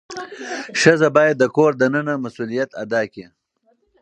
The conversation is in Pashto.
ښځه باید د کور دننه مسؤلیت ادا کړي.